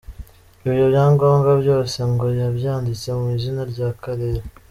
Ibyo byangombwa byose ngo yabyanditse mu izina ry’akarere.